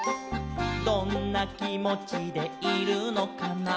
「どんなきもちでいるのかな」